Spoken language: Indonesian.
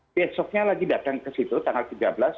besoknya lagi datang ke situ tanggal tiga belas